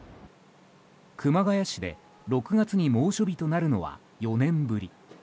熊谷市で６月に猛暑日となるのは４年ぶり。